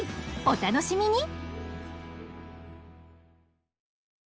お楽しみに！